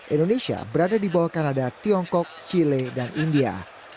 indonesia berada di bawah kanada tiongkok chile dan india